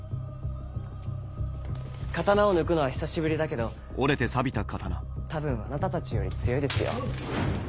刀を抜くのは久しぶりだけど多分あなたたちより強いですよ。